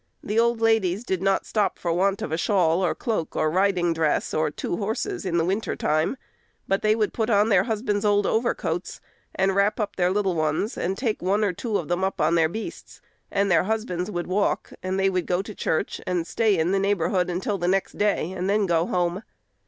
The old ladies did not stop for the want of a shawl, or cloak, or riding dress, or two horses, in the winter time; but they would put on their husbands' old overcoats, and wrap up their little ones, and take one or two of them up on their beasts, and their husbands would walk, and they would go to church, and stay in the neighborhood until the next day, and then go home.